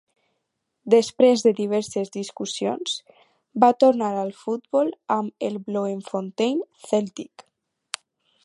Després de diverses discussions, va tornar al futbol amb el Bloemfontein Celtic.